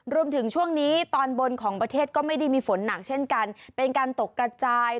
รวมถึงช่วงนี้ตอนบนของประเทศก็ไม่ได้มีฝนหนักเช่นกันเป็นการตกกระจาย